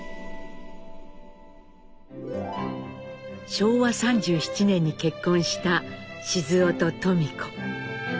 昭和３７年に結婚した雄と登美子。